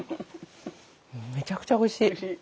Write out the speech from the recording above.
めちゃくちゃおいしい。